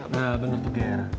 nah bener tuh ger